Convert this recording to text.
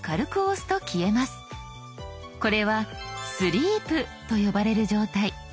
これは「スリープ」と呼ばれる状態。